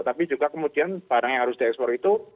tapi juga kemudian barang yang harus di ekspor itu